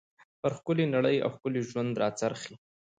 پر ښکلى نړۍ او ښکلي ژوند را څرخي.